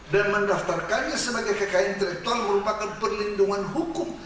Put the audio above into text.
dan mendaftarkannya sebagai kekayaan intelektual merupakan perlindungan hukum